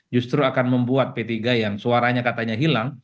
justru akan membuat p tiga yang suaranya katanya hilang